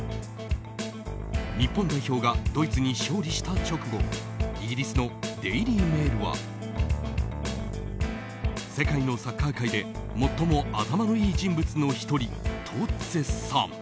日本代表がドイツに勝利した直後イギリスのデイリー・メールは世界のサッカー界で最も頭のいい人物の１人と絶賛。